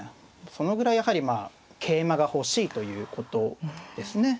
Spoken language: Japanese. そのぐらいやはりまあ桂馬が欲しいということですね。